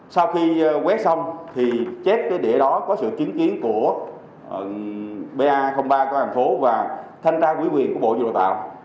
sau khi quét xong thì chiếc cái đệ đó có sự chứng kiến của ba ba của thành phố và thanh tra quý quyền của bộ giáo dục đào tạo